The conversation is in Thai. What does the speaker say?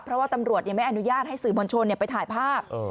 เพราะว่าตำรวจยังไม่อนุญาตให้สื่อมวลชนไปถ่ายภาพ